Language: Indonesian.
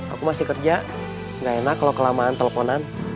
aku masih kerja nggak enak kalau kelamaan teleponan